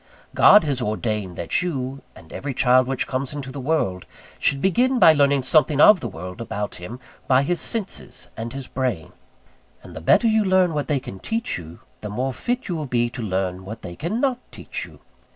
God has ordained that you, and every child which comes into the world, should begin by learning something of the world about him by his senses and his brain; and the better you learn what they can teach you, the more fit you will be to learn what they cannot teach you.